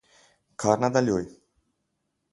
Kar nadaljuj.